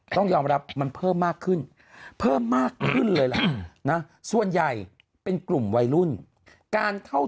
ต้องยอมรับมันเพิ่มมากขึ้นเพิ่มมากขึ้นเลยล่ะนะส่วนใหญ่เป็นกลุ่มวัยรุ่นการเข้า